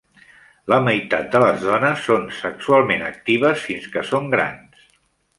La meitat de les dones són sexualment actives fins que són grans.